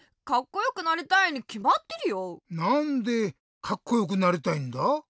なんでカッコよくなりたいんだ？